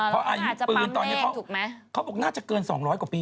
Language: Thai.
เขาบอกน่าจะเกิน๒๐๐กว่าปี